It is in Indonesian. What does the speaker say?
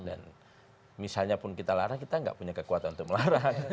dan misalnya pun kita larang kita nggak punya kekuatan untuk melarang